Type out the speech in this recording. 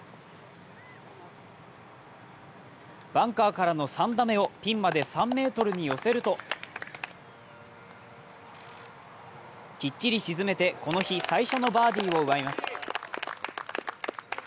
バンカーからの３打目をピンまで３ｍに寄せるときっちり沈めて、この日最初のバーディーを奪います。